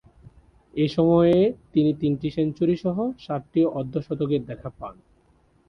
এ সময়ে তিনি তিনটি সেঞ্চুরিসহ সাতটি অর্ধ-শতকের দেখা পান।